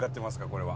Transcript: これは。